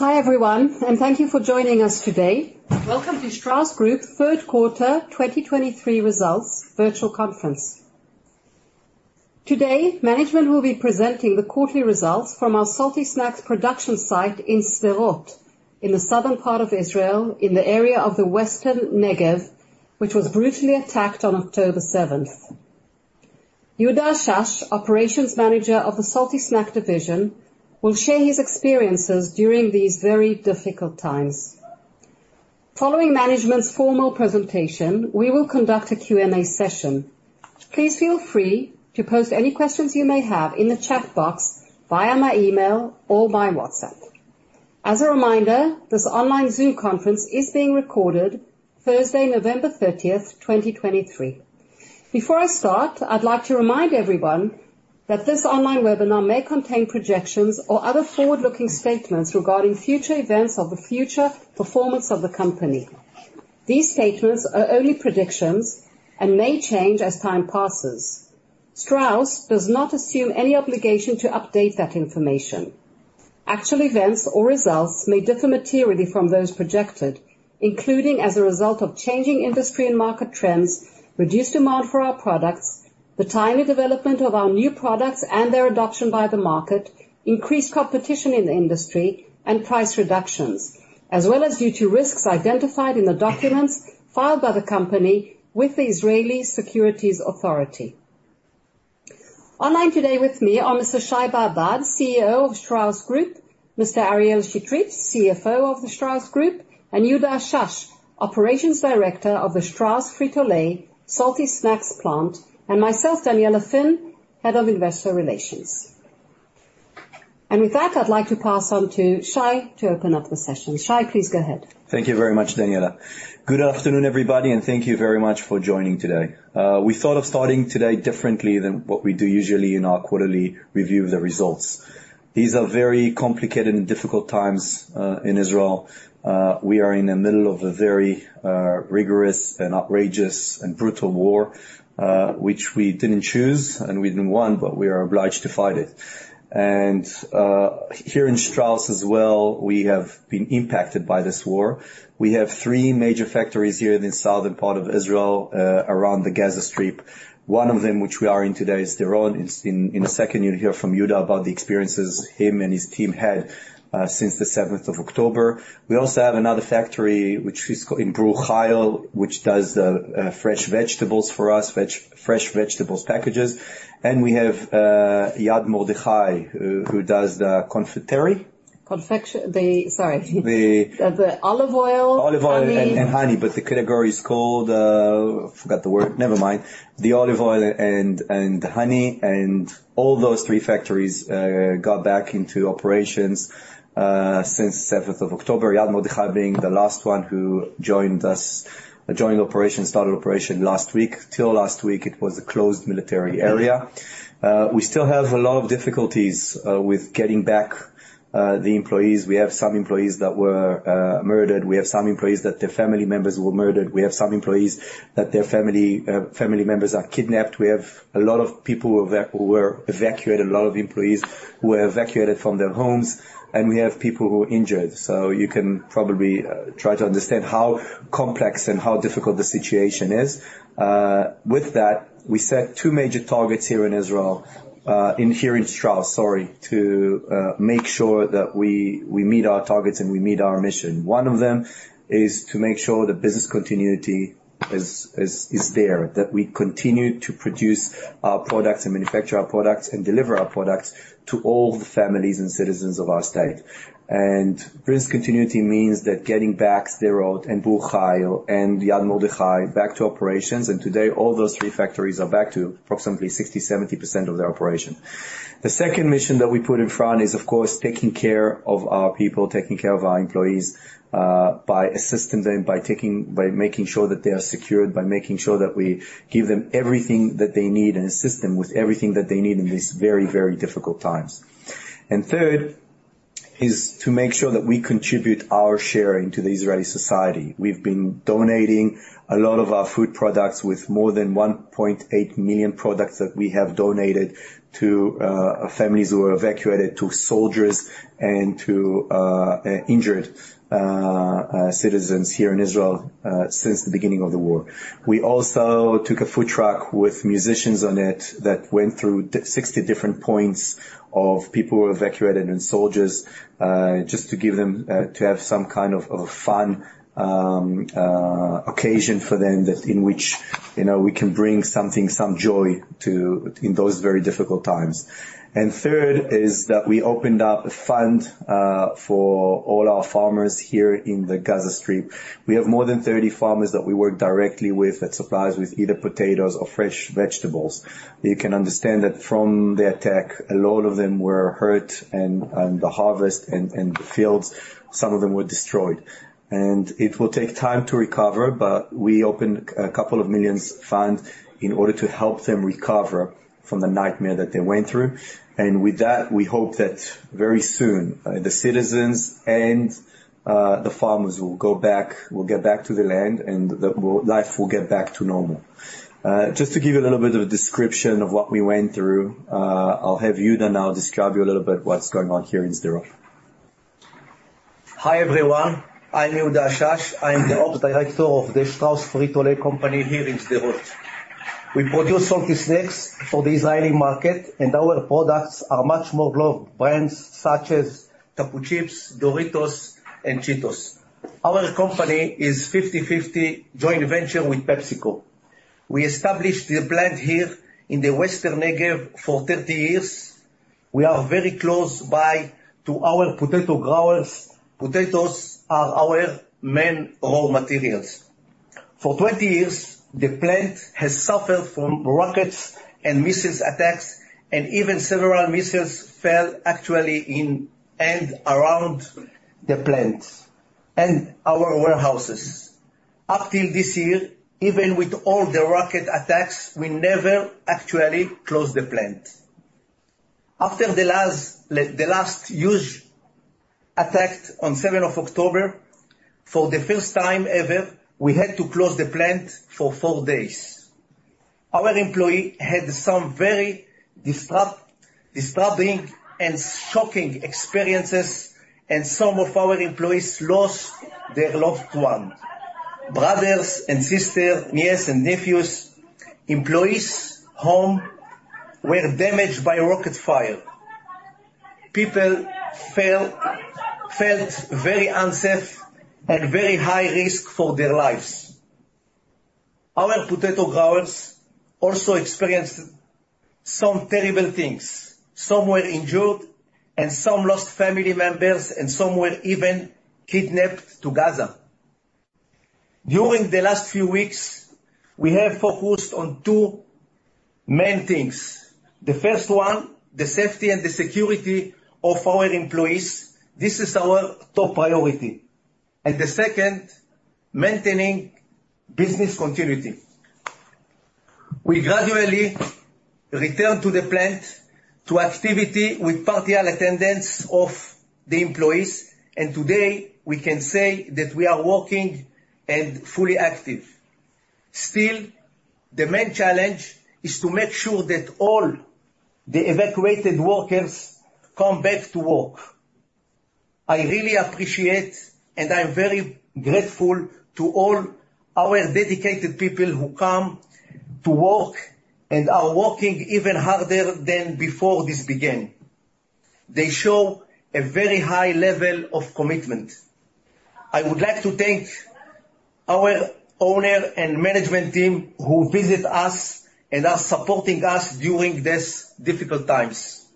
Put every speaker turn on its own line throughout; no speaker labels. Hi, everyone, and thank you for joining us today. Welcome to Strauss Group third quarter, 2023 results virtual conference. Today, management will be presenting the quarterly results from our salty snacks production site in Sderot, in the southern part of Israel, in the area of the Western Negev, which was brutally attacked on October 7. Yehuda Ashash, Operations Manager of the Salty Snack Division, will share his experiences during these very difficult times. Following management's formal presentation, we will conduct a Q&A session. Please feel free to post any questions you may have in the chat box via my email or by WhatsApp. As a reminder, this online Zoom conference is being recorded Thursday, November 30, 2023. Before I start, I'd like to remind everyone that this online webinar may contain projections or other forward-looking statements regarding future events or the future performance of the company. These statements are only predictions and may change as time passes. Strauss does not assume any obligation to update that information. Actual events or results may differ materially from those projected, including as a result of changing industry and market trends, reduced demand for our products, the timely development of our new products and their adoption by the market, increased competition in the industry and price reductions, as well as due to risks identified in the documents filed by the company with the Israeli Securities Authority. Online today with me are Mr. Shai Babad, CEO of Strauss Group, Mr. Ariel Chetrit, CFO of the Strauss Group, and Yehuda Ashash, Operations Director of the Strauss Frito-Lay Salty Snacks Plant, and myself, Daniella Finn, Head of Investor Relations. With that, I'd like to pass on to Shai to open up the session. Shai, please go ahead.
Thank you very much, Daniella. Good afternoon, everybody, and thank you very much for joining today. We thought of starting today differently than what we do usually in our quarterly review of the results. These are very complicated and difficult times in Israel. We are in the middle of a very rigorous and outrageous and brutal war, which we didn't choose and we didn't want, but we are obliged to fight it. Here in Strauss as well, we have been impacted by this war. We have three major factories here in the southern part of Israel, around the Gaza Strip. One of them, which we are in today, is Sderot. In a second, you'll hear from Yehuda about the experiences him and his team had since the seventh of October. We also have another factory, which is called Bror Hayil which does the fresh vegetables for us, fresh vegetables packages. We have Yad Mordechai, who does the confectionery.
Confection. Sorry.
The-
The olive oil.
Olive oil-
And honey.
and honey, but the category is called, I forgot the word. Never mind. The olive oil and, and honey, and all those three factories got back into operations since seventh of October. Yad Mordechai being the last one who joined us, joined operation, started operation last week. Till last week, it was a closed military area. We still have a lot of difficulties with getting back the employees. We have some employees that were murdered. We have some employees that their family members were murdered. We have some employees that their family members are kidnapped. We have a lot of people who were evacuated, a lot of employees who were evacuated from their homes, and we have people who are injured. So you can probably try to understand how complex and how difficult the situation is. With that, we set two major targets here in Israel, here in Strauss, sorry, to make sure that we meet our targets and we meet our mission. One of them is to make sure the business continuity is there, that we continue to produce our products and manufacture our products, and deliver our products to all the families and citizens of our state. And business continuity means that getting back Sderot and Nachal and Yad Mordechai back to operations, and today, all those three factories are back to approximately 60%-70% of their operation. The second mission that we put in front is, of course, taking care of our people, taking care of our employees, by assisting them, by making sure that they are secured, by making sure that we give them everything that they need and assist them with everything that they need in this very, very difficult times. And third, is to make sure that we contribute our sharing to the Israeli society. We've been donating a lot of our food products with more than 1.8 million products that we have donated to, families who were evacuated, to soldiers and to, injured, citizens here in Israel, since the beginning of the war. We also took a food truck with musicians on it that went through 60 different points of people who evacuated and soldiers, just to give them, to have some kind of, of fun, occasion for them, that in which, you know, we can bring something, some joy to, in those very difficult times. And third is that we opened up a fund, for all our farmers here in the Gaza Strip. We have more than 30 farmers that we work directly with, that supplies with either potatoes or fresh vegetables. You can understand that from the attack, a lot of them were hurt, and the harvest and the fields, some of them were destroyed. And it will take time to recover, but we opened a 2 million fund in order to help them recover from the nightmare that they went through. With that, we hope that very soon, the citizens and the farmers will go back, will get back to the land, and the life will get back to normal. Just to give you a little bit of a description of what we went through, I'll have Yehuda now describe you a little bit what's going on here in Sderot.
Hi, everyone. I'm Yehuda Ashash. I'm the Operations Director of the Strauss Frito-Lay company here in Sderot. We produce salty snacks for the Israeli market, and our products are much more loved brands such as Tapuchips, Doritos, and Cheetos. Our company is 50/50 joint venture with PepsiCo. We established the plant here in the Western Negev for 30 years. We are very close by to our potato growers. Potatoes are our main raw materials. For 20 years, the plant has suffered from rockets and missiles attacks, and even several missiles fell actually in and around the plant and our warehouses. Up till this year, even with all the rocket attacks, we never actually closed the plant. After the last, the last huge attack on seventh of October, for the first time ever, we had to close the plant for 4 days. Our employees had some very disturbing and shocking experiences, and some of our employees lost their loved one, brothers and sisters, nieces and nephews. Employees' homes were damaged by rocket fire. People felt very unsafe and very high risk for their lives. Our potato growers also experienced some terrible things. Some were injured, and some lost family members, and some were even kidnapped to Gaza. During the last few weeks, we have focused on two main things. The first one, the safety and the security of our employees. This is our top priority. The second, maintaining business continuity. We gradually returned to the plant to activity with partial attendance of the employees, and today we can say that we are working and fully active. Still, the main challenge is to make sure that all the evacuated workers come back to work. I really appreciate, and I'm very grateful to all our dedicated people who come to work and are working even harder than before this began. They show a very high level of commitment. I would like to thank our owner and management team who visit us and are supporting us during this difficult times.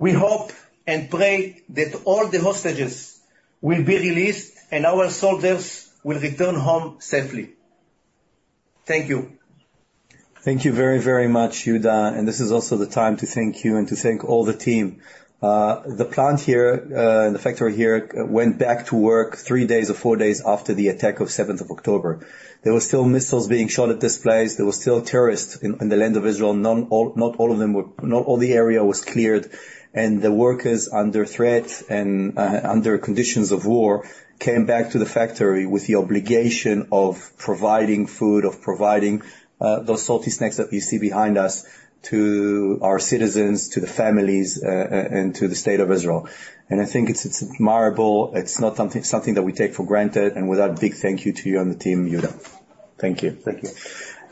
We hope and pray that all the hostages will be released and our soldiers will return home safely. Thank you.
Thank you very, very much, Yehuda, and this is also the time to thank you and to thank all the team. The plant here and the factory here went back to work three days or four days after the attack of seventh of October. There were still missiles being shot at this place. There were still terrorists in the land of Israel. Not all of them were... Not all the area was cleared, and the workers, under threat and under conditions of war, came back to the factory with the obligation of providing food, of providing those salty snacks that you see behind us, to our citizens, to the families, and to the State of Israel. And I think it's admirable. It's not something that we take for granted, and with a big thank you to you and the team, Yehuda. Thank you. Thank you.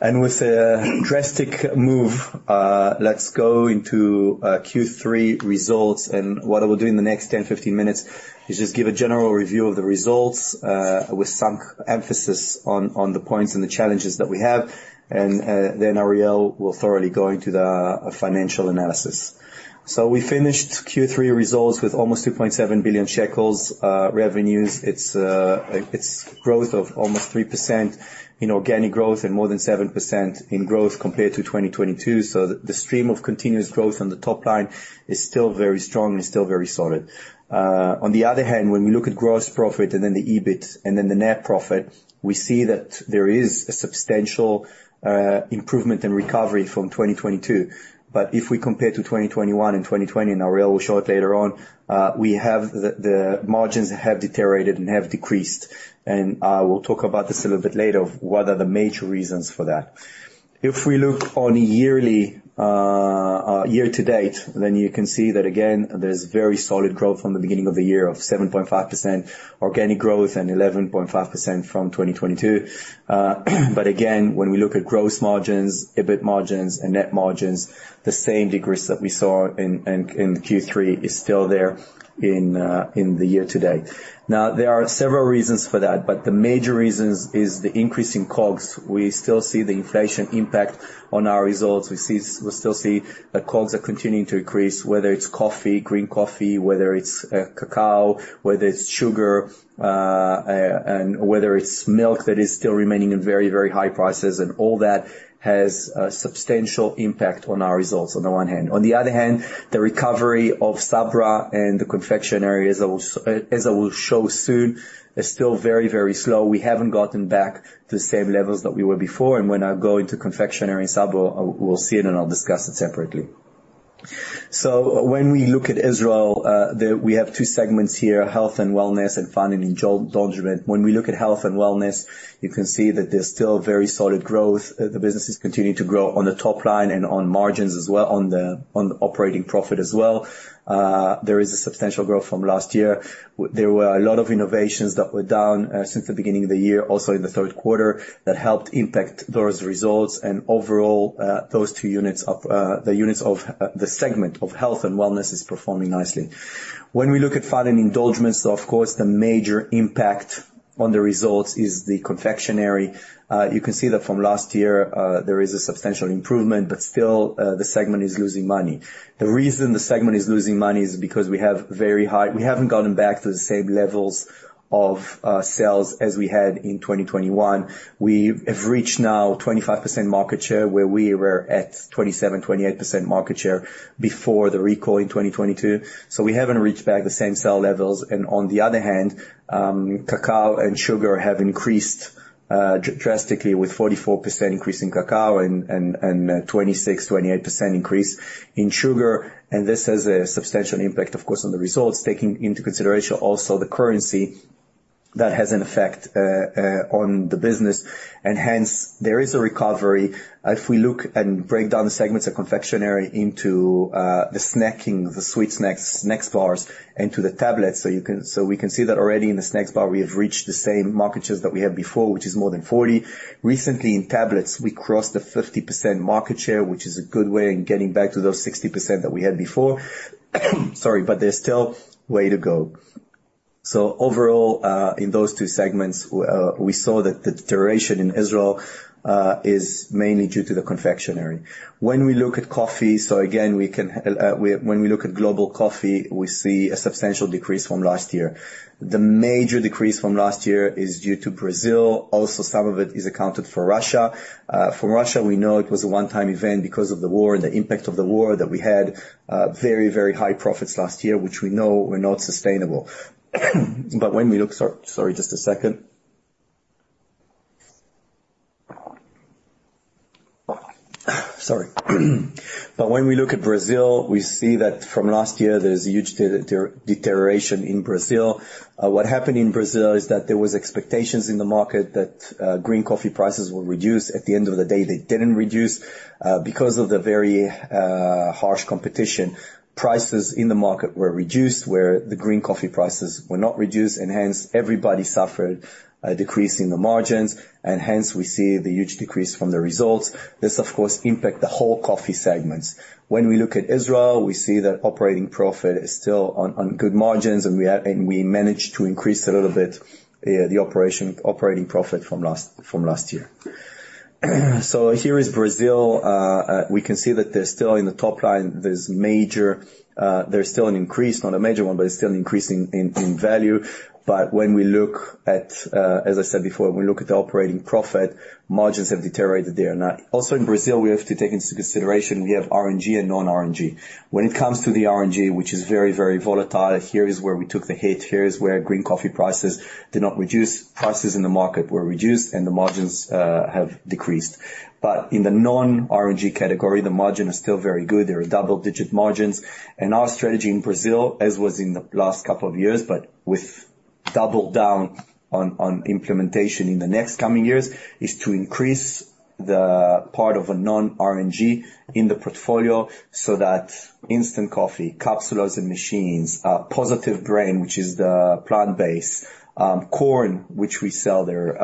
And with a drastic move, let's go into Q3 results, and what I will do in the next 10, 15 minutes is just give a general review of the results, with some emphasis on the points and the challenges that we have, and then Ariel will thoroughly go into the financial analysis. So we finished Q3 results with almost 2.7 billion shekels, revenues. It's growth of almost 3% in organic growth and more than 7% in growth compared to 2022. So the stream of continuous growth on the top line is still very strong and still very solid. On the other hand, when we look at gross profit and then the EBIT and then the net profit, we see that there is a substantial improvement and recovery from 2022. But if we compare to 2021 and 2020, and Ariel will show it later on, we have the margins have deteriorated and have decreased. And we'll talk about this a little bit later, of what are the major reasons for that. If we look on a yearly year to date, then you can see that again, there's very solid growth from the beginning of the year of 7.5% organic growth and 11.5% from 2022. But again, when we look at gross margins, EBIT margins, and net margins, the same decrease that we saw in Q3 is still there in the year to date. Now, there are several reasons for that, but the major reasons is the increase in COGS. We still see the inflation impact on our results. We still see that COGS are continuing to increase, whether it's coffee, green coffee, whether it's cacao, whether it's sugar, and whether it's milk that is still remaining in very, very high prices, and all that has a substantial impact on our results on the one hand. On the other hand, the recovery of Sabra and the confectionery, as I will show soon, is still very, very slow. We haven't gotten back to the same levels that we were before, and when I go into confectionery, Sabra, we'll see it, and I'll discuss it separately. So when we look at Israel, the—we have two segments here, health and wellness and fun and indulgence. When we look at health and wellness, you can see that there's still very solid growth. The business is continuing to grow on the top line and on margins as well, on the operating profit as well. There is a substantial growth from last year. There were a lot of innovations that were done since the beginning of the year, also in the third quarter, that helped impact those results, and overall, those two units of the units of the segment of health and wellness is performing nicely. When we look at fun and indulgences, of course, the major impact on the results is the confectionery. You can see that from last year, there is a substantial improvement, but still, the segment is losing money. The reason the segment is losing money is because we have very high-- we haven't gotten back to the same levels of, sales as we had in 2021. We have reached now 25% market share, where we were at 27%-28% market share before the recall in 2022. So we haven't reached back the same sale levels, and on the other hand, cocoa and sugar have increased drastically with 44% increase in cocoa and 26%-28% increase in sugar, and this has a substantial impact, of course, on the results, taking into consideration also the currency that has an effect on the business, and hence, there is a recovery. If we look and break down the segments of confectionery into the snacking, the sweet snacks, snacks bars into the tablets, so we can see that already in the snacks bar, we have reached the same market shares that we had before, which is more than 40. Recently, in tablets, we crossed the 50% market share, which is a good way in getting back to those 60% that we had before. Sorry, but there's still way to go. So overall, in those two segments, we saw that the deterioration in Israel is mainly due to the confectionery. When we look at coffee, so again, we can, when we look at global coffee, we see a substantial decrease from last year. The major decrease from last year is due to Brazil. Also, some of it is accounted for Russia. For Russia, we know it was a one-time event because of the war and the impact of the war, that we had very, very high profits last year, which we know were not sustainable. But when we look... Sorry, just a second. Sorry. But when we look at Brazil, we see that from last year, there's a huge deterioration in Brazil. What happened in Brazil is that there was expectations in the market that green coffee prices will reduce. At the end of the day, they didn't reduce because of the very harsh competition. Prices in the market were reduced, where the green coffee prices were not reduced, and hence, everybody suffered a decrease in the margins, and hence, we see the huge decrease from the results. This, of course, impact the whole coffee segments. When we look at Israel, we see that operating profit is still on good margins, and we managed to increase a little bit the operating profit from last year. So here is Brazil. We can see that they're still in the top line. There's still an increase, not a major one, but it's still increasing in value. But when we look at, as I said before, when we look at the operating profit, margins have deteriorated there. Now, also in Brazil, we have to take into consideration, we have R&G and non-R&G. When it comes to the R&G, which is very, very volatile, here is where we took the hit. Here is where green coffee prices did not reduce. Prices in the market were reduced, and the margins have decreased. But in the non-R&G category, the margin is still very good. There are double-digit margins, and our strategy in Brazil, as was in the last couple of years, but with double down on, on implementation in the next coming years, is to increase the part of a non-R&G in the portfolio so that instant coffee, capsules and machines, positive grain, which is the plant-based corn, which we sell there,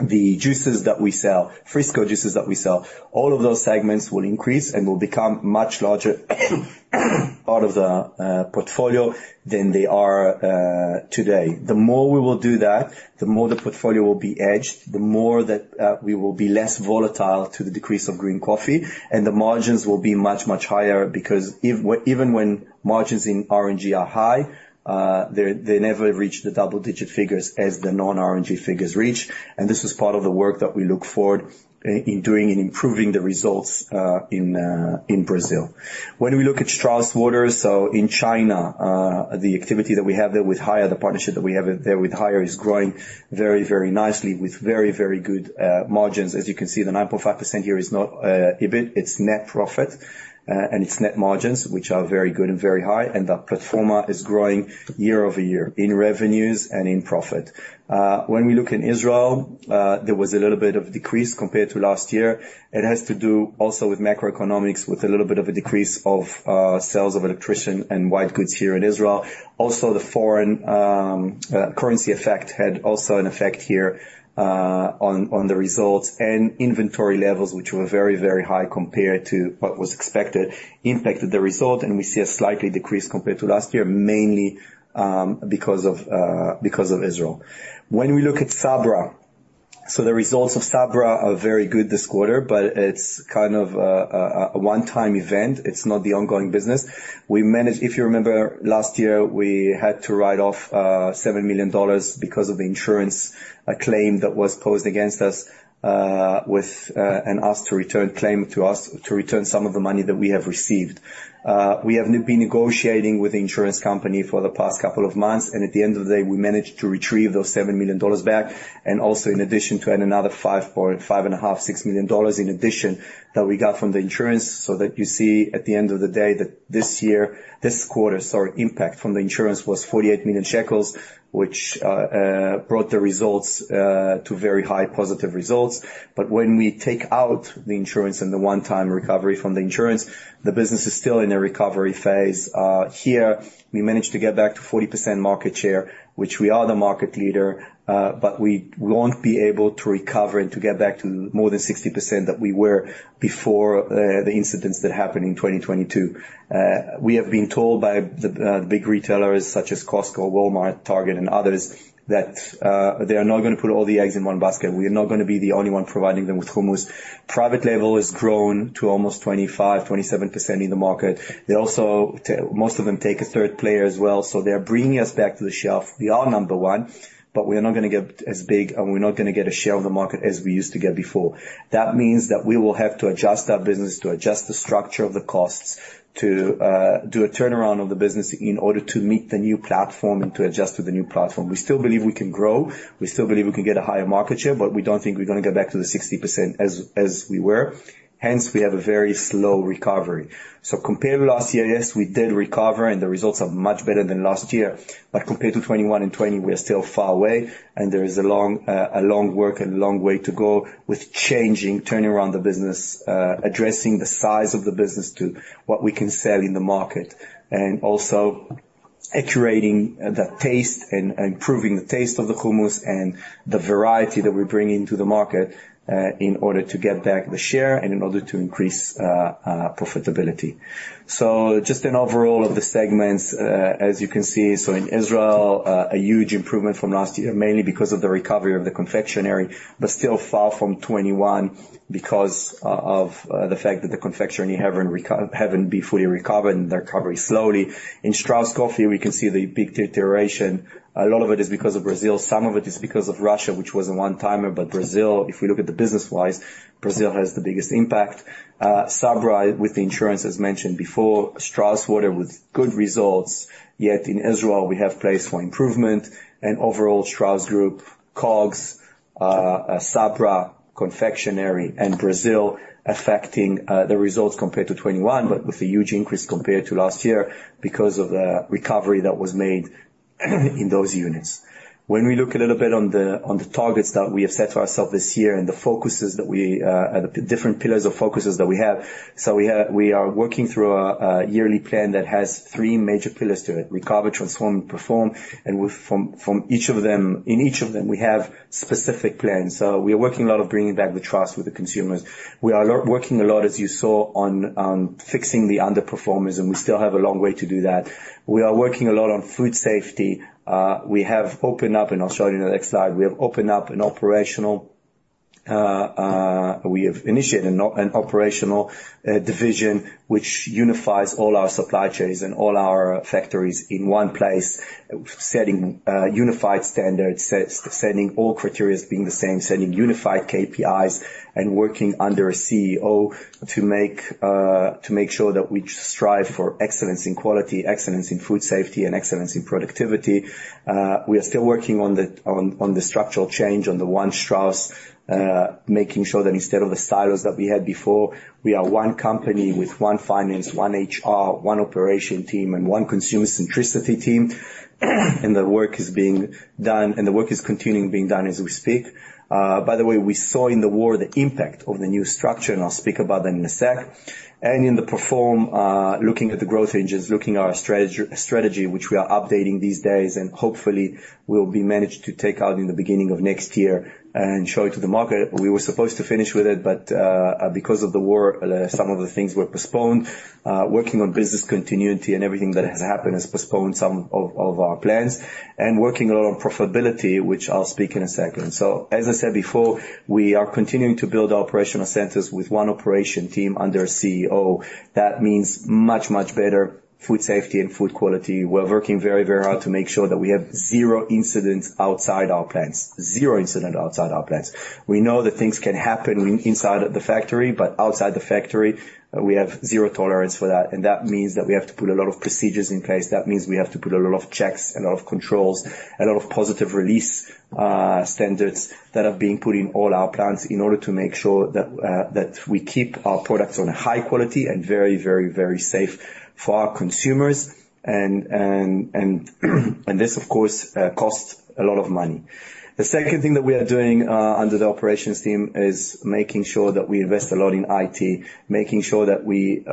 the juices that we sell, Frisco juices that we sell, all of those segments will increase and will become much larger part of the portfolio than they are today. The more we will do that, the more the portfolio will be hedged, the more that we will be less volatile to the decrease of green coffee, and the margins will be much, much higher, because even when margins in R&G are high, they never reach the double-digit figures as the non-R&G figures reach. And this is part of the work that we look forward in doing and improving the results in Brazil. When we look at Strauss Water, so in China, the activity that we have there with Haier, the partnership that we have there with Haier, is growing very, very nicely with very, very good margins. As you can see, the 9.5% here is not EBIT, it's net profit, and it's net margins, which are very good and very high, and that platform is growing year-over-year in revenues and in profit. When we look in Israel, there was a little bit of decrease compared to last year. It has to do also with macroeconomics, with a little bit of a decrease of sales of electrical and white goods here in Israel. Also, the foreign currency effect had also an effect here on the results, and inventory levels, which were very, very high compared to what was expected, impacted the result, and we see a slightly decrease compared to last year, mainly because of Israel. When we look at Sabra, so the results of Sabra are very good this quarter, but it's kind of a one-time event. It's not the ongoing business. We managed if you remember, last year, we had to write off $7 million because of the insurance, a claim that was posed against us with and asked to return—claim to us, to return some of the money that we have received. We have been negotiating with the insurance company for the past couple of months, and at the end of the day, we managed to retrieve those $7 million back, and also in addition to add another $5.5-$6 million in addition, that we got from the insurance. So that you see, at the end of the day, that this year, this quarter, sorry, impact from the insurance was 48 million shekels, which, brought the results, to very high positive results. But when we take out the insurance and the one-time recovery from the insurance, the business is still in a recovery phase. Here, we managed to get back to 40% market share, which we are the market leader, but we won't be able to recover and to get back to more than 60% that we were before the incidents that happened in 2022. We have been told by the big retailers, such as Costco, Walmart, Target, and others, that they are not gonna put all the eggs in one basket. We are not gonna be the only one providing them with hummus. Private label has grown to almost 25-27% in the market. Most of them take a third player as well, so they're bringing us back to the shelf. We are number one, but we are not gonna get as big, and we're not gonna get a share of the market as we used to get before. That means that we will have to adjust our business, to adjust the structure of the costs, to do a turnaround of the business in order to meet the new platform and to adjust to the new platform. We still believe we can grow, we still believe we can get a higher market share, but we don't think we're gonna get back to the 60% as, as we were. Hence, we have a very slow recovery. So compared to last year, yes, we did recover, and the results are much better than last year, but compared to 2021 and 2020, we are still far away, and there is a long, a long work and a long way to go with changing, turning around the business, addressing the size of the business to what we can sell in the market. And also accelerating the taste and improving the taste of the hummus and the variety that we're bringing to the market, in order to get back the share and in order to increase profitability. So just an overall of the segments, as you can see, so in Israel, a huge improvement from last year, mainly because of the recovery of the confectionery, but still far from 2021 because of the fact that the confectionery haven't recovered, haven't been fully recovered, and they're recovering slowly. In Strauss Coffee, we can see the big deterioration. A lot of it is because of Brazil, some of it is because of Russia, which was a one-timer. But Brazil, if we look at the business-wise, Brazil has the biggest impact. Sabra, with the insurance, as mentioned before, Strauss Water with good results, yet in Israel, we have place for improvement. Overall, Strauss Group, COGS, Sabra, confectionery, and Brazil, affecting the results compared to 2021, but with a huge increase compared to last year because of the recovery that was made in those units. When we look a little bit on the targets that we have set to ourselves this year and the focuses that we, the different pillars or focuses that we have. We are working through a yearly plan that has three major pillars to it: recover, transform, perform. From each of them, in each of them, we have specific plans. We are working a lot on bringing back the trust with the consumers. We are a lot working a lot, as you saw, on fixing the underperformers, and we still have a long way to do that. We are working a lot on food safety. We have opened up, and I'll show you in the next slide. We have opened up an operational division, which unifies all our supply chains and all our factories in one place, setting unified standards, setting all criteria being the same, setting unified KPIs, and working under a CEO to make sure that we strive for excellence in quality, excellence in food safety, and excellence in productivity. We are still working on the structural change, on the One Strauss, making sure that instead of the silos that we had before, we are one company with one finance, one HR, one operation team, and one consumer centricity team. The work is being done, and the work is continuing being done as we speak. By the way, we saw in the war the impact of the new structure, and I'll speak about that in a sec. In the performance, looking at the growth engines, looking at our strategy, which we are updating these days, and hopefully, will be managed to take out in the beginning of next year and show it to the market. We were supposed to finish with it, but because of the war, some of the things were postponed. Working on business continuity and everything that has happened has postponed some of our plans, and working a lot on profitability, which I'll speak in a second. As I said before, we are continuing to build our operational centers with one operation team under a CEO. That means much, much better food safety and food quality. We're working very, very hard to make sure that we have zero incidents outside our plants. Zero incident outside our plants. We know that things can happen inside of the factory, but outside the factory, we have zero tolerance for that, and that means that we have to put a lot of procedures in place. That means we have to put a lot of checks, a lot of controls, a lot of positive release standards that are being put in all our plants in order to make sure that we keep our products on a high quality and very, very, very safe for our consumers. And this, of course, costs a lot of money. The second thing that we are doing under the operations team is making sure that we invest a lot in IT, making sure that we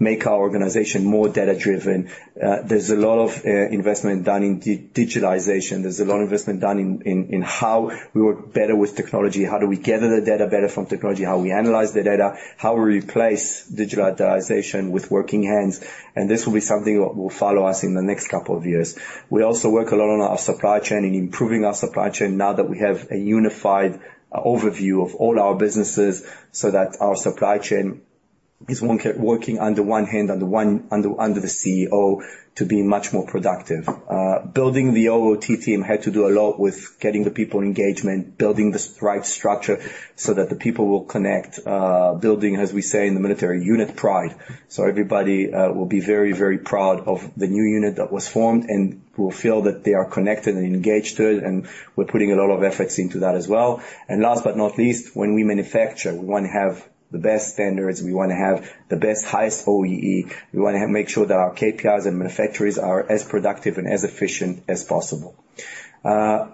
make our organization more data-driven. There's a lot of investment done in digitalization. There's a lot of investment done in how we work better with technology, how we gather the data better from technology, how we analyze the data, how we replace digitalization with working hands, and this will be something that will follow us in the next couple of years. We also work a lot on our supply chain and improving our supply chain, now that we have a unified overview of all our businesses, so that our supply chain is one working under one hand, under the CEO to be much more productive. Building the OOT team had to do a lot with getting the people engagement, building the right structure so that the people will connect, building, as we say in the military, unit pride. So everybody will be very, very proud of the new unit that was formed and will feel that they are connected and engaged to it, and we're putting a lot of efforts into that as well. Last but not least, when we manufacture, we wanna have the best standards, we wanna have the best, highest OEE. We wanna make sure that our KPIs and manufacturers are as productive and as efficient as possible.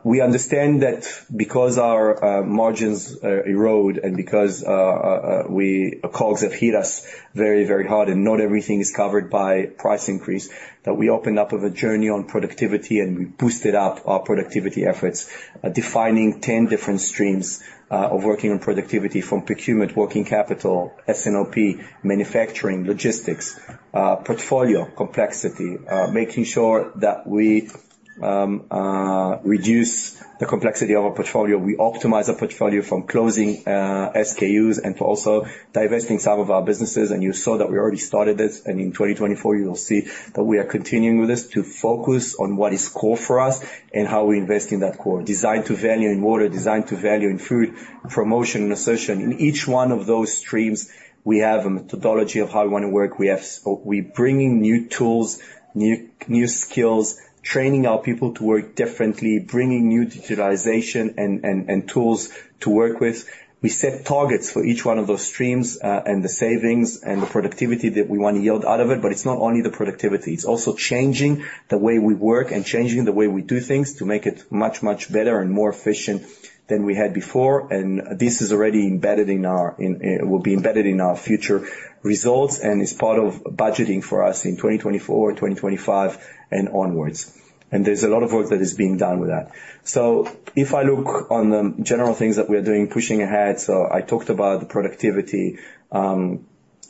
We understand that because our margins erode and because COGS have hit us very, very hard and not everything is covered by price increase, that we opened up of a journey on productivity, and we boosted up our productivity efforts. Defining 10 different streams of working on productivity from procurement, working capital, S&OP, manufacturing, logistics, portfolio complexity, making sure that we reduce the complexity of our portfolio. We optimize our portfolio from closing SKUs and to also divesting some of our businesses. You saw that we already started this, and in 2024, you will see that we are continuing with this to focus on what is core for us and how we invest in that core. Design to value in water, design to value in food, promotion and assertion. In each one of those streams, we have a methodology of how we wanna work. We have, we're bringing new tools, new skills, training our people to work differently, bringing new digitalization and tools to work with. We set targets for each one of those streams, and the savings and the productivity that we want to yield out of it. But it's not only the productivity, it's also changing the way we work and changing the way we do things to make it much, much better and more efficient than we had before. And this is already embedded in our, will be embedded in our future results, and it's part of budgeting for us in 2024, 2025, and onwards. And there's a lot of work that is being done with that. So if I look on the general things that we are doing, pushing ahead, so I talked about the productivity,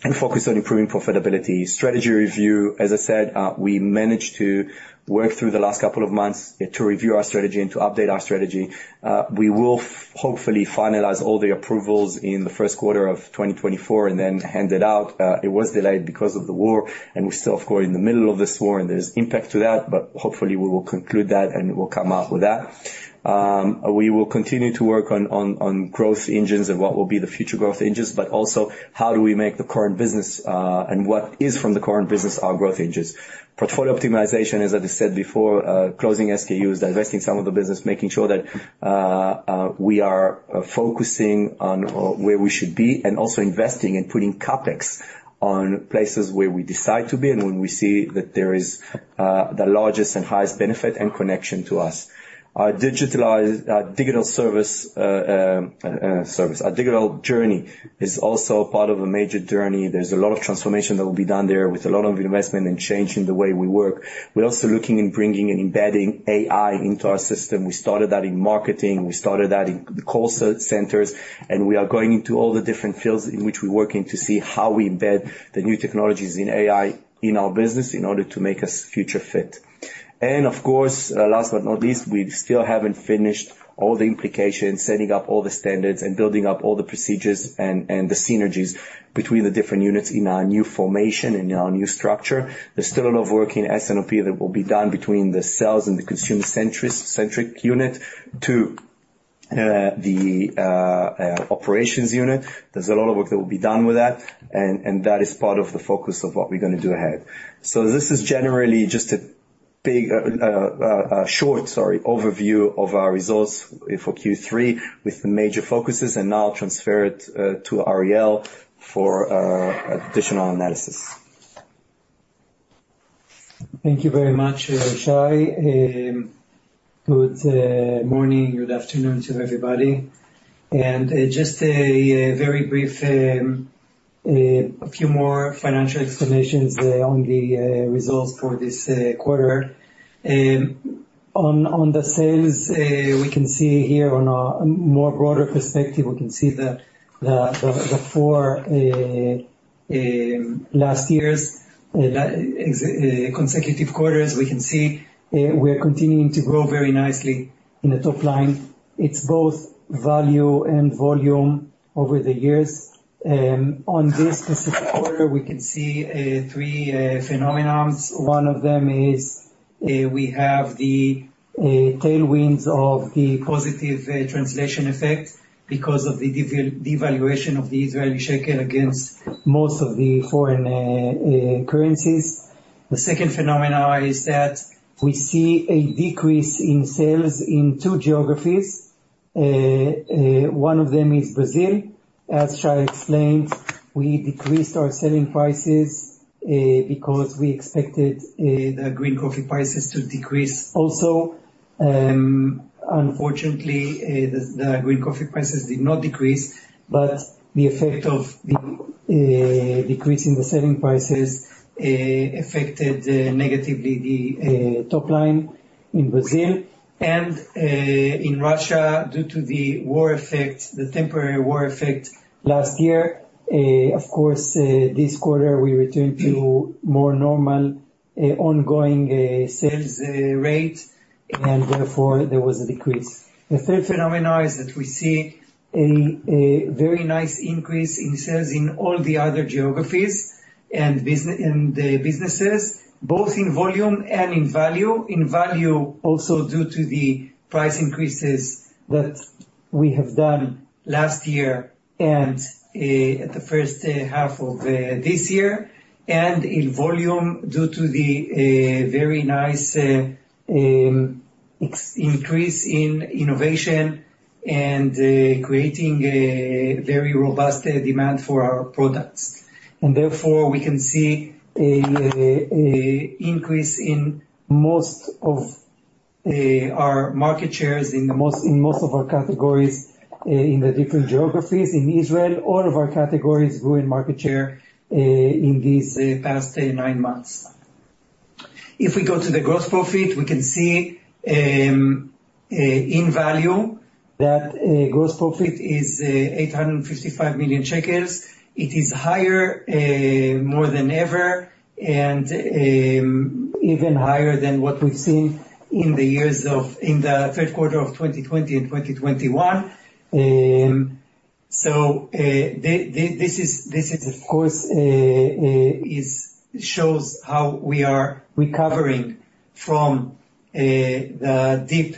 and focus on improving profitability. Strategy review, as I said, we managed to work through the last couple of months to review our strategy and to update our strategy. We will hopefully finalize all the approvals in the first quarter of 2024 and then hand it out. It was delayed because of the war, and we're still, of course, in the middle of this war, and there's impact to that, but hopefully, we will conclude that, and we'll come out with that. We will continue to work on growth engines and what will be the future growth engines, but also how do we make the current business, and what is from the current business, our growth engines. Portfolio optimization, as I just said before, closing SKUs, divesting some of the business, making sure that we are focusing on where we should be, and also investing and putting CapEx on places where we decide to be, and when we see that there is the largest and highest benefit and connection to us. Our digital service. Our digital journey is also a part of a major journey. There's a lot of transformation that will be done there with a lot of investment and changing the way we work. We're also looking in bringing and embedding AI into our system. We started that in marketing, we started that in the call centers, and we are going into all the different fields in which we work in to see how we embed the new technologies in AI in our business in order to make us future fit. And of course, last but not least, we still haven't finished all the implications, setting up all the standards, and building up all the procedures and the synergies between the different units in our new formation and in our new structure. There's still a lot of work in S&OP that will be done between the sales and the consumer-centric unit to the operations unit. There's a lot of work that will be done with that, and that is part of the focus of what we're gonna do ahead. So this is generally just a short, sorry, overview of our results for Q3 with the major focuses, and now I'll transfer it to Ariel for additional analysis.
Thank you very much, Shai. Good morning, good afternoon to everybody, and just a very brief few more financial explanations on the results for this quarter. On the sales, we can see here on a more broader perspective, we can see the four last year's consecutive quarters. We can see, we're continuing to grow very nicely in the top line. It's both value and volume over the years. On this specific quarter, we can see three phenomenons. One of them is we have the tailwinds of the positive translation effect because of the devaluation of the Israeli shekel against most of the foreign currencies. The second phenomena is that we see a decrease in sales in two geographies. One of them is Brazil. As Shai explained, we decreased our selling prices, because we expected, the green coffee prices to decrease also. Unfortunately, the green coffee prices did not decrease, but the effect of the decreasing the selling prices, affected negatively the top line in Brazil and in Russia, due to the war effect, the temporary war effect last year. Of course, this quarter we returned to more normal, ongoing sales rate, and therefore there was a decrease. The third phenomena is that we see a very nice increase in sales in all the other geographies and the businesses, both in volume and in value. In value, also due to the price increases that we have done last year and at the first half of this year, and in volume, due to the very nice increase in innovation and creating a very robust demand for our products. And therefore, we can see a increase in most of our market shares in most of our categories in the different geographies. In Israel, all of our categories grew in market share in these past nine months. If we go to the gross profit, we can see in value that gross profit is 855 million shekels. It is higher more than ever, and even higher than what we've seen in the third quarter of 2020 and 2021. So, this is, of course, shows how we are recovering from the dip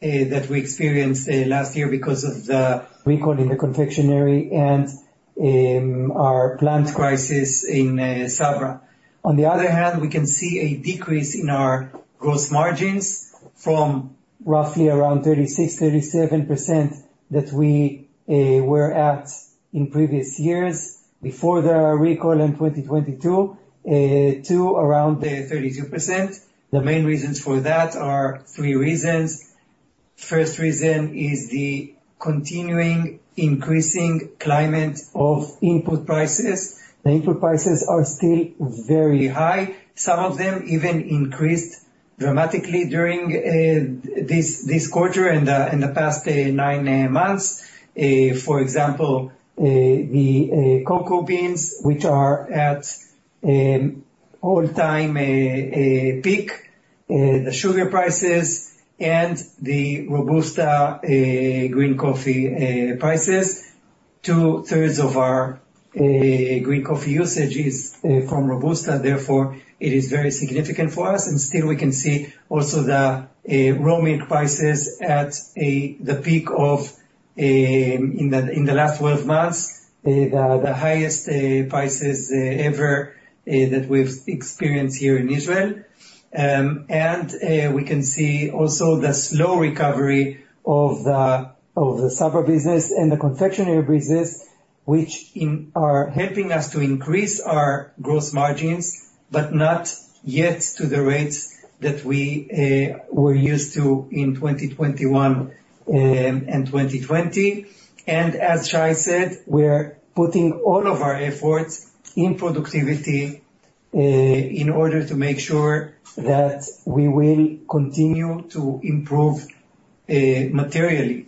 that we experienced last year because of the recall in the confectionery and our plant crisis in Sabra. On the other hand, we can see a decrease in our gross margins from roughly around 36%-37% that we were at in previous years before the recall in 2022 to around 32%. The main reasons for that are 3 reasons. First reason is the continuing increasing climate of input prices. The input prices are still very high. Some of them even increased dramatically during this quarter and in the past 9 months. For example, the cocoa beans, which are at all-time peak, the sugar prices and the Robusta green coffee prices. Two-thirds of our green coffee usage is from Robusta, therefore, it is very significant for us, and still we can see also the raw milk prices at the peak of in the last 12 months, the highest prices ever that we've experienced here in Israel. And we can see also the slow recovery of the Sabra business and the confectionery business, which are helping us to increase our gross margins, but not yet to the rates that we were used to in 2021 and 2020. And as Shai said, we're putting all of our efforts in productivity in order to make sure that we will continue to improve materially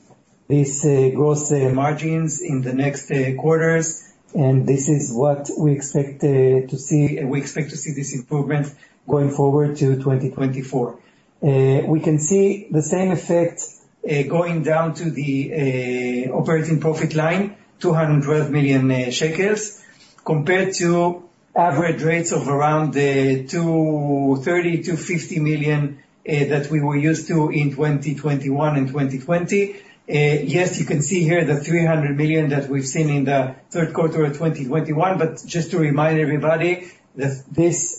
these gross margins in the next quarters, and this is what we expect to see. We expect to see this improvement going forward to 2024. We can see the same effect going down to the operating profit line, 212 million shekels, compared to average rates of around 230-250 million that we were used to in 2021 and 2020. Yes, you can see here the 300 million that we've seen in the third quarter of 2021, but just to remind everybody that this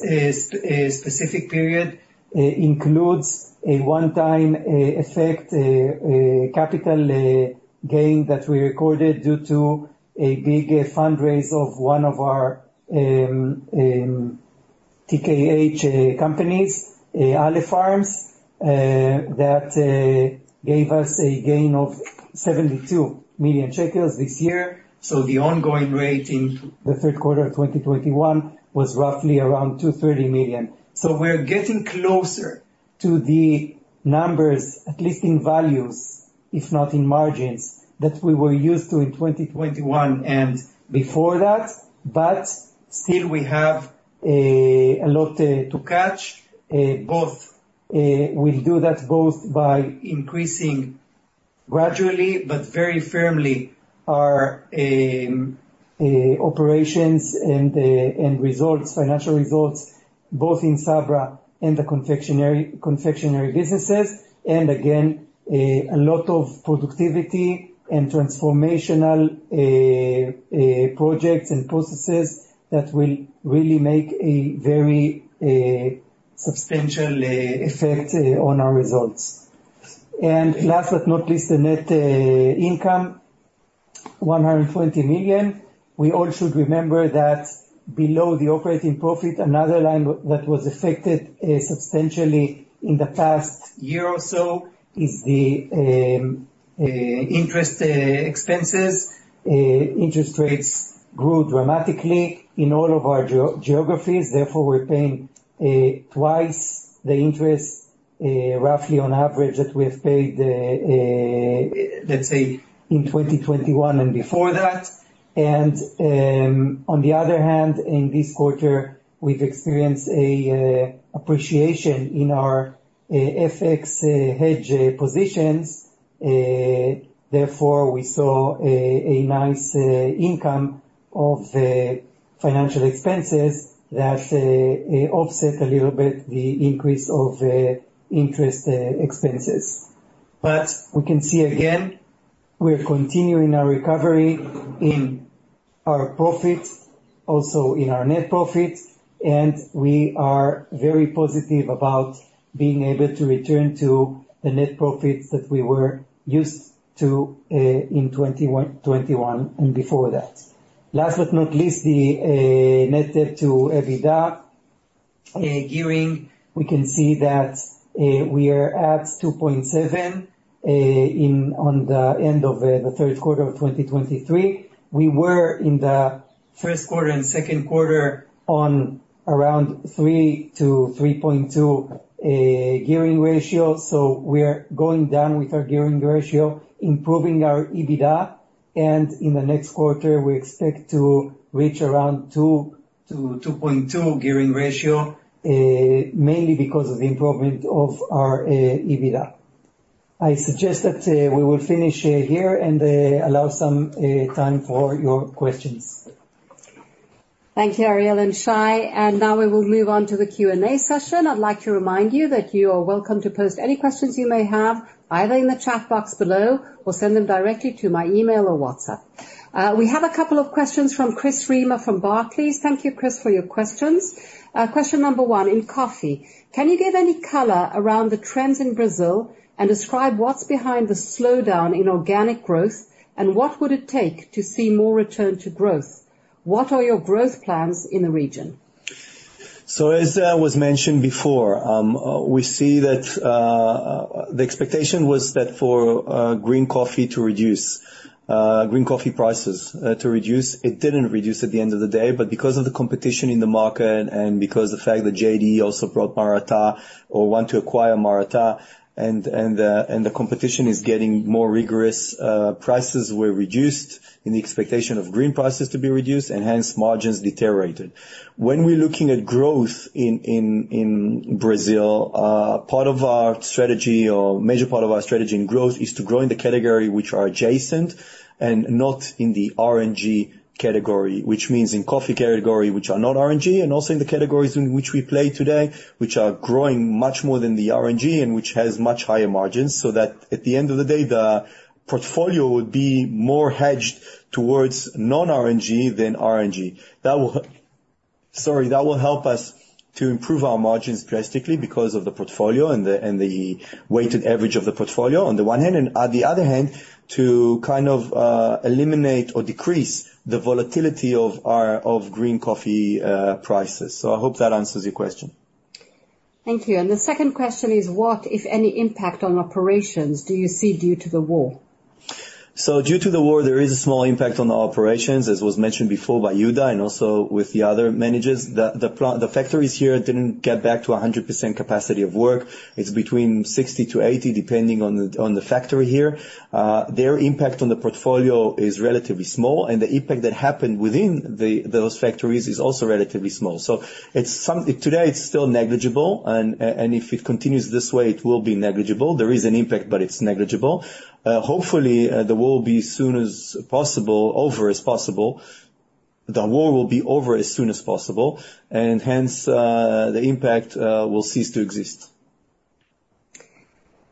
specific period includes a one-time effect, a capital gain that we recorded due to a big fundraise of one of our TKH companies, Aleph Farms, that gave us a gain of 72 million shekels this year. So the ongoing rate in the third quarter of 2021 was roughly around 230 million. So we're getting closer to the numbers, at least in values, if not in margins, that we were used to in 2021 and before that, but still we have a lot to catch. We'll do that both by increasing gradually, but very firmly, our operations and results, financial results, both in Sabra and the confectionery businesses. And again, a lot of productivity and transformational projects and processes that will really make a very substantial effect on our results. And last but not least, the net income, 120 million. We all should remember that below the operating profit, another line that was affected substantially in the past year or so is the interest expenses. Interest rates grew dramatically in all of our geographies; therefore, we're paying twice the interest, roughly on average, that we have paid, let's say, in 2021 and before that. On the other hand, in this quarter, we've experienced an appreciation in our FX hedge positions. Therefore, we saw a nice income of the financial expenses that offset a little bit the increase of interest expenses. But we can see again, we're continuing our recovery in our profit, also in our net profit, and we are very positive about being able to return to the net profits that we were used to in 2021 and before that. Last but not least, the Net Debt to EBITDA gearing. We can see that we are at 2.7 at the end of the third quarter of 2023. We were in the first quarter and second quarter at around 3-3.2 gearing ratio. So we are going down with our gearing ratio, improving our EBITDA, and in the next quarter, we expect to reach around 2-2.2 gearing ratio, mainly because of the improvement of our EBITDA. I suggest that we will finish here and allow some time for your questions.
Thank you, Ariel and Shai. Now we will move on to the Q&A session. I'd like to remind you that you are welcome to post any questions you may have, either in the chat box below, or send them directly to my email or WhatsApp. We have a couple of questions from Chris Reimer, from Barclays. Thank you, Chris, for your questions. Question number one: in coffee, can you give any color around the trends in Brazil and describe what's behind the slowdown in organic growth, and what would it take to see more return to growth? What are your growth plans in the region?
So as was mentioned before, we see that the expectation was that for green coffee to reduce green coffee prices to reduce. It didn't reduce at the end of the day, but because of the competition in the market and because the fact that JDE also brought Maratá, or want to acquire Maratá, and the competition is getting more rigorous, prices were reduced in the expectation of green prices to be reduced, and hence, margins deteriorated. When we're looking at growth in Brazil, part of our strategy or major part of our strategy in growth, is to grow in the category which are adjacent and not in the R&G category. Which means in coffee category, which are not R&G, and also in the categories in which we play today, which are growing much more than the R&G, and which has much higher margins, so that at the end of the day, the portfolio would be more hedged towards non-R&G than R&G. That will. Sorry, that will help us to improve our margins drastically because of the portfolio and the, and the weighted average of the portfolio on the one hand, and on the other hand, to kind of, eliminate or decrease the volatility of our, of green coffee, prices. So I hope that answers your question.
Thank you. The second question is: what, if any, impact on operations do you see due to the war?
So due to the war, there is a small impact on the operations, as was mentioned before by Yehuda and also with the other managers. The factories here didn't get back to 100% capacity of work. It's between 60-80, depending on the factory here. Their impact on the portfolio is relatively small, and the impact that happened within those factories is also relatively small. So today, it's still negligible, and if it continues this way, it will be negligible. There is an impact, but it's negligible. Hopefully, the war will be as soon as possible, over as possible. The war will be over as soon as possible, and hence, the impact will cease to exist.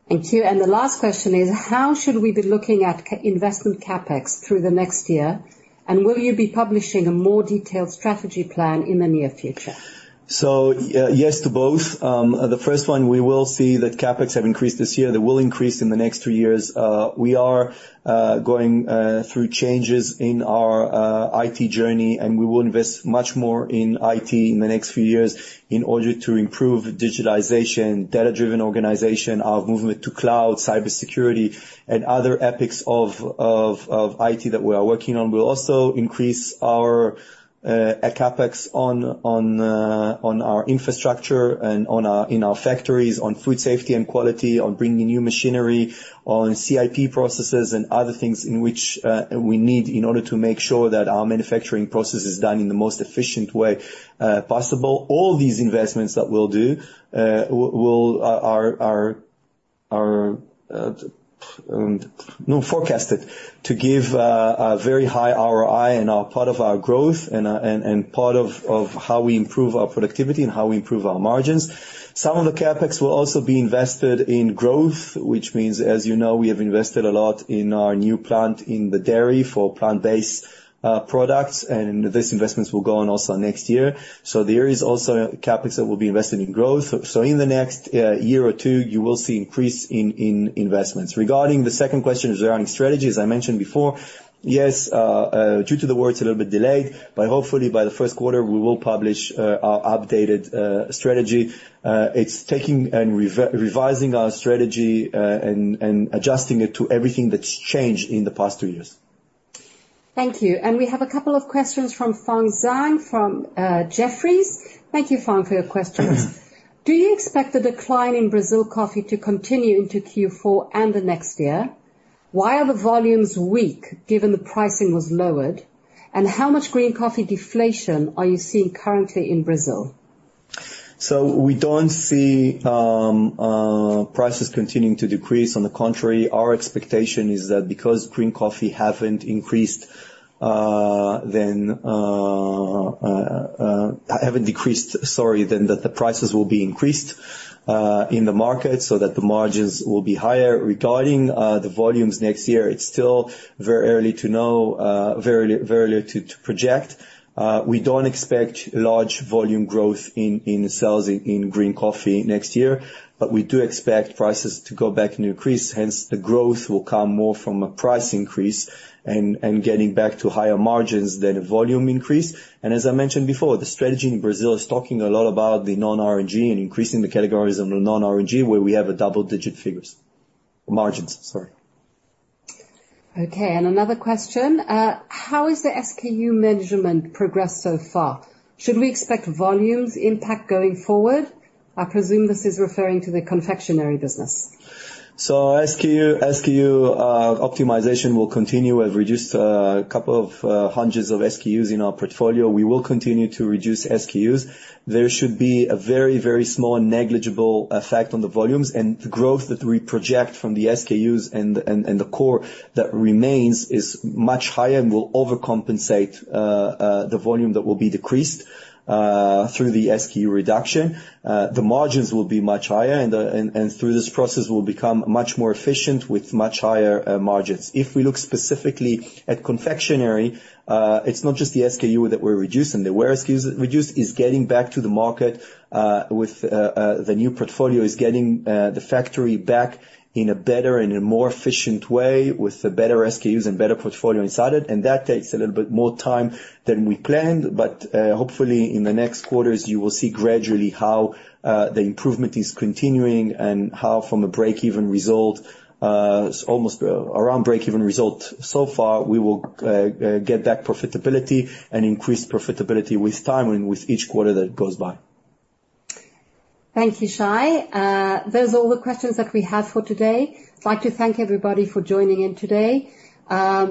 Thank you. And the last question is: how should we be looking at investment CapEx through the next year, and will you be publishing a more detailed strategy plan in the near future?
So, yes to both. The first one, we will see that CapEx have increased this year. They will increase in the next three years. We are going through changes in our IT journey, and we will invest much more in IT in the next few years in order to improve digitalization, data-driven organization, our movement to cloud, cybersecurity, and other epics of IT that we are working on. We'll also increase our CapEx on our infrastructure and in our factories, on food safety and quality, on bringing new machinery, on CIP processes and other things in which we need in order to make sure that our manufacturing process is done in the most efficient way possible. All these investments that we'll do are forecasted to give a very high ROI in our part of our growth and part of how we improve our productivity and how we improve our margins. Some of the CapEx will also be invested in growth, which means, as you know, we have invested a lot in our new plant in the dairy for plant-based products, and these investments will go on also next year. So there is also CapEx that will be invested in growth. So in the next year or two, you will see increase in investments. Regarding the second question, is there any strategy? As I mentioned before, yes, due to the war, it's a little bit delayed, but hopefully by the first quarter, we will publish our updated strategy. It's taking and revising our strategy, and adjusting it to everything that's changed in the past two years.
Thank you. And we have a couple of questions from Feng Zhang, from Jefferies. Thank you, Fang, for your questions, do you expect the decline in Brazil coffee to continue into Q4 and the next year? Why are the volumes weak, given the pricing was lowered? And how much green coffee deflation are you seeing currently in Brazil?
So we don't see prices continuing to decrease. On the contrary, our expectation is that because green coffee haven't increased, then haven't decreased, sorry, then that the prices will be increased in the market so that the margins will be higher. Regarding the volumes next year, it's still very early to know, very, very early to project. We don't expect large volume growth in sales in green coffee next year, but we do expect prices to go back and increase. Hence, the growth will come more from a price increase and getting back to higher margins than a volume increase. And as I mentioned before, the strategy in Brazil is talking a lot about the non-R&G and increasing the categories of the non-R&G, where we have double-digit figures. Margins, sorry.
Okay, and another question: How is the SKU management progressed so far? Should we expect volumes impact going forward? I presume this is referring to the confectionery business.
SKU optimization will continue. We've reduced couple of hundreds of SKUs in our portfolio. We will continue to reduce SKUs. There should be a very very small negligible effect on the volumes, and the growth that we project from the SKUs and the core that remains is much higher and will overcompensate the volume that will be decreased through the SKU reduction. The margins will be much higher, and through this process, will become much more efficient with much higher margins. If we look specifically at confectionery, it's not just the SKU that we're reducing. way SKUs reduce is getting back to the market with the new portfolio, the factory back in a better and a more efficient way, with the better SKUs and better portfolio inside it, and that takes a little bit more time than we planned. But, hopefully, in the next quarters, you will see gradually how the improvement is continuing and how, from a break-even result, almost around break-even result so far, we will get that profitability and increase profitability with time and with each quarter that goes by.
Thank you, Shai. Those are all the questions that we have for today. I'd like to thank everybody for joining in today.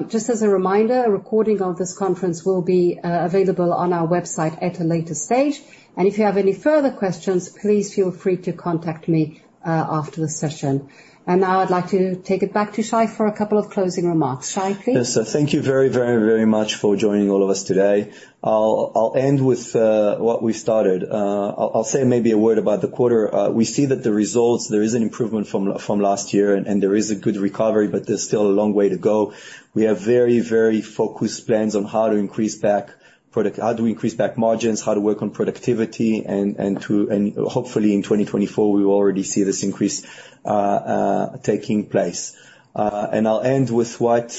Just as a reminder, a recording of this conference will be available on our website at a later stage, and if you have any further questions, please feel free to contact me after the session. Now I'd like to take it back to Shai for a couple of closing remarks. Shai, please.
Yes, so thank you very, very, very much for joining all of us today. I'll end with what we started. I'll say maybe a word about the quarter. We see that the results, there is an improvement from last year, and there is a good recovery, but there's still a long way to go. We have very, very focused plans on how to increase back product, how do we increase back margins, how to work on productivity, and hopefully in 2024, we will already see this increase taking place. And I'll end with what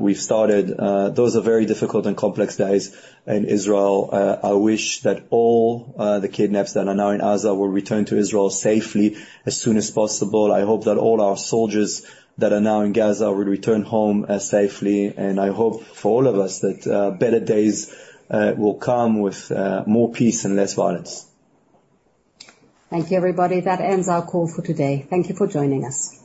we've started. Those are very difficult and complex days in Israel. I wish that all the kidnapped that are now in Gaza will return to Israel safely as soon as possible. I hope that all our soldiers that are now in Gaza will return home safely, and I hope for all of us that better days will come with more peace and less violence.
Thank you, everybody. That ends our call for today. Thank you for joining us.